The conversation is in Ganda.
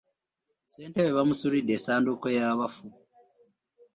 Sssentebe bamusulide esanduuke y'abafu.